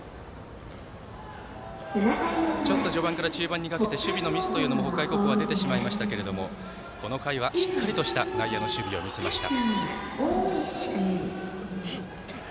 ちょっと序盤から中盤にかけて守備のミスが北海高校は出てしまいましたけれどもこの回は、しっかりとした内野の守備を見せました。